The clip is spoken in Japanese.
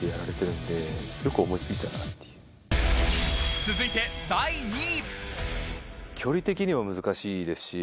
続いて、第２位。